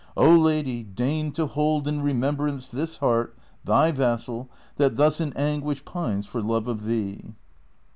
0 lady, deign to hold in remem brance this heart, thy vassal, that thus in anguish pines for love of thee."